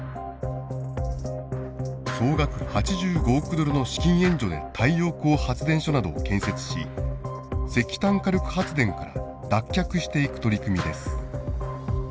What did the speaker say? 総額８５億ドルの資金援助で太陽光発電所などを建設し石炭火力発電から脱却していく取り組みです。